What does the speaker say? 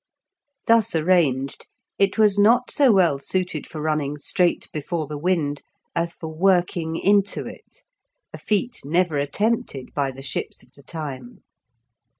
Thus arranged, it was not so well suited for running straight before the wind, as for working into it, a feat never attempted by the ships of the time.